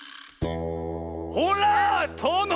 ほらとの！